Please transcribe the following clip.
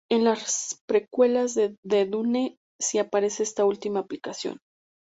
En las precuelas de Dune, sí aparece esta última aplicación.